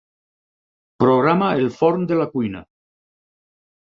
Programa el forn de la cuina.